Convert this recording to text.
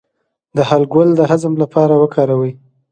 د هل ګل د هضم لپاره وکاروئ